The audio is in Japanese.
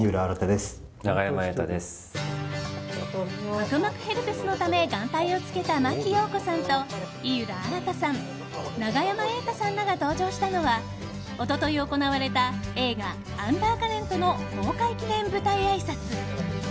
角膜ヘルペスのため眼帯をつけた真木よう子さんと井浦新さん、永山瑛太さんらが登場したのは一昨日、行われた映画「アンダーカレント」の公開記念舞台あいさつ。